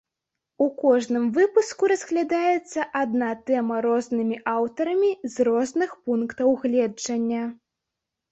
У кожным выпуску разглядаецца адна тэма рознымі аўтарамі з розных пунктаў гледжання.